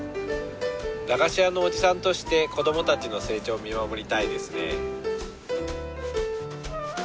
駄菓子屋のおじさんとして子供たちの成長を見守りたいですね。